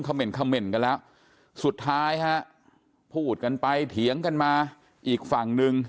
เหม็นคำเหน่นกันแล้วสุดท้ายฮะพูดกันไปเถียงกันมาอีกฝั่งหนึ่ง